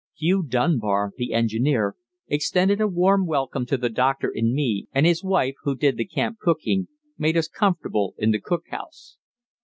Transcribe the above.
Hugh Dunbar, the engineer, extended a warm welcome to the doctor and me, and his wife, who did the camp cooking, made us comfortable in the cookhouse.